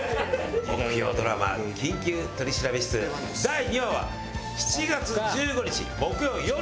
木曜ドラマ『緊急取調室』第２話は７月１５日木曜よる９時。